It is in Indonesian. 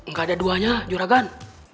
gak ada duanya juragan